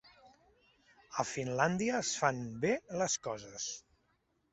A Finlàndia es fan bé les coses.